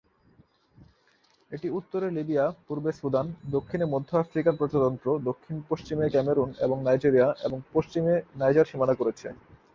এটি উত্তরে লিবিয়া, পূর্বে সুদান, দক্ষিণে মধ্য আফ্রিকান প্রজাতন্ত্র, দক্ষিণ-পশ্চিমে ক্যামেরুন এবং নাইজেরিয়া এবং পশ্চিমে নাইজার সীমানা করেছে।